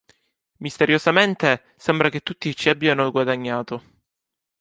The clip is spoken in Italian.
Misteriosamente, sembra che tutti ci abbiano guadagnato.